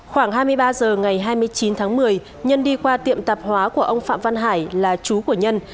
khoảng hai mươi ba h ngày hai mươi chín tháng một mươi nhân đi qua tiệm tạp hóa của ông phạm văn hải là chú của nhân